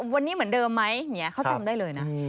วันนี้เหมือนเดิมไหมอย่างนี้เขาจำได้เลยนะ